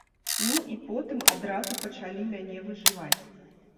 Ну і потым адразу пачалі мяне выжываць.